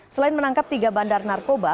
selain menangkap tiga bandar narkoba